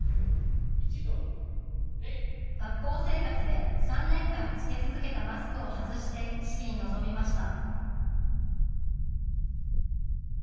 学校生活で３年間着け続けたマスクを外して式に臨みました。